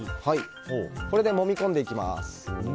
これで、もみ込んでいきます。